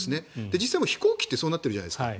実は飛行機ってそうなってるじゃないですか。